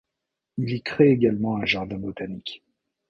Il y créé également un jardin botanique.